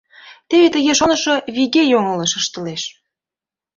Теве тыге шонышо виге йоҥылыш ыштылеш.